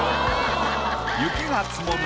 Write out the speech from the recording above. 雪が積もる